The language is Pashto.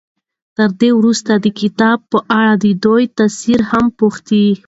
تر دې وروسته د کتاب په اړه د دوی تأثر هم پوښتئ.